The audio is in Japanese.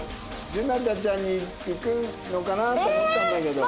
じゅなたちゃんにいくのかな？と思ったんだけど。